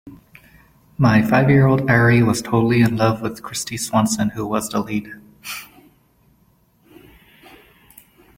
My five-year-old Ari was totally in love with Kristy Swanson, who was the lead.